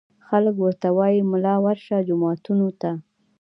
خلک ورته وايي ملا ورشه جوماتونو ته